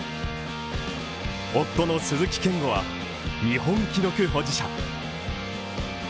夫の鈴木健吾は日本記録保持者。